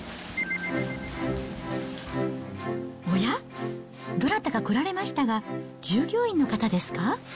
おや、どなたか来られましたが、従業員の方ですか。